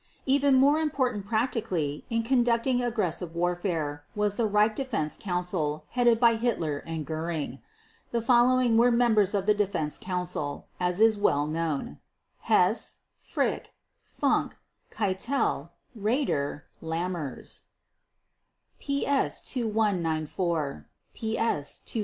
Even more important practically in conducting aggressive warfare was the Reich Defense Council headed by Hitler and Göring. The following were members of the Defense Council, as is well known: Hess, Frick, Funk, Keitel, Raeder, Lammers (PS 2194; PS 2018).